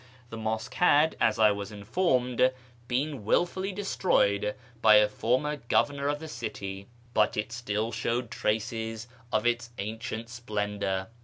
This mosque had, as I was informed, been wilfully destroyed by a former governor of the city, but it still showed traces of its ancient splendour.